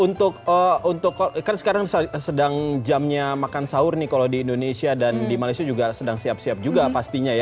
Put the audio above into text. untuk kan sekarang sedang jamnya makan sahur nih kalau di indonesia dan di malaysia juga sedang siap siap juga pastinya ya